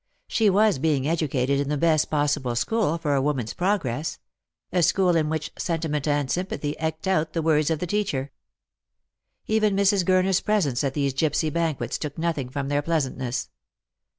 She was being educated in the best possible school for a woman's progress — a school in which sentiment and sympathy eked out the words of the teacher. Even Mrs. Gurner's presence at these gipsy banquets took nothing from their pleasantness.